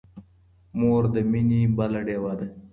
مور د مينې بله ډيوه ده.